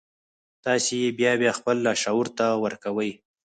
تاسې يې بيا بيا خپل لاشعور ته ورکوئ.